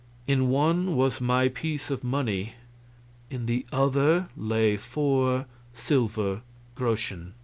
In one was my piece of money, in the other lay four silver groschen.